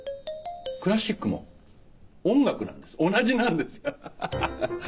クラシックも「音楽」なんです同じなんですハハハ。